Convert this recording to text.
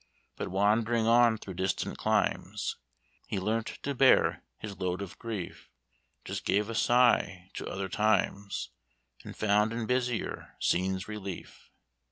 "But wandering on through distant climes, He learnt to bear his load of grief; Just gave a sigh to other times, And found in busier scenes relief.